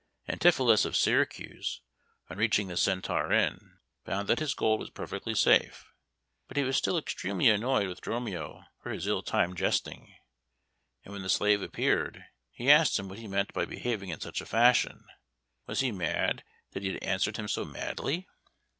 Antipholus of Syracuse, on reaching the Centaur Inn, found that his gold was perfectly safe, but he was still extremely annoyed with Dromio for his ill timed jesting, and when the slave appeared, he asked him what he meant by behaving in such a fashion. Was he mad that he had answered him so madly?